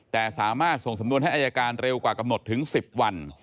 แต่สามารถส่งสำนวนให้อายการเร็วกว่ากำหนดถึง๑๐วัน